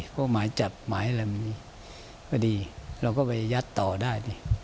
เพราะหมายจับหมายอะไรมันก็ดีเราก็ไปยัดต่อได้